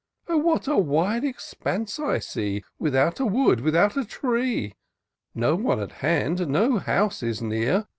Oh ! what a wide expanse I see, Without a wood, without a tree ! No one at hand, no house is near.